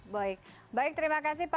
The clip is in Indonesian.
baik baik terima kasih pak